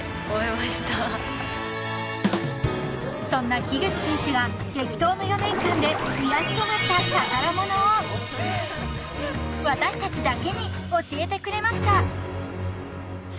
［そんな樋口選手が激闘の４年間で癒やしとなった宝物を私たちだけに教えてくれました］